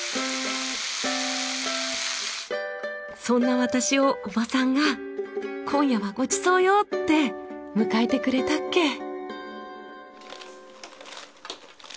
そんな私をおばさんが「今夜はごちそうよ」って迎えてくれたっけ。